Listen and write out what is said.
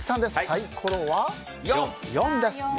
サイコロは４です。